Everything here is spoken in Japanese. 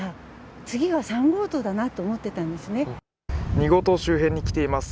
２号棟周辺に来ています。